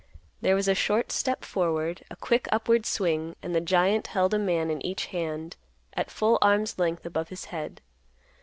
There was a short step forward, a quick upward swing, and the giant held a man in each hand at full arm's length above his head.